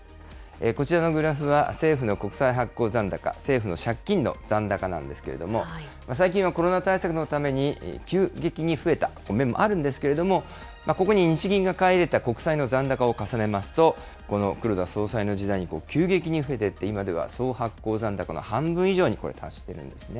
こちらのグラフは、政府の国債発行残高、政府の借金の残高なんですけれども、最近はコロナ対策のために急激に増えた面もあるんですけれども、ここに日銀が買い入れた国債の残高を重ねますと、この黒田総裁の時代に急激に増えていって、今では総発行残高の半分以上に達しているんですね。